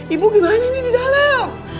ibu gimana ini di dalam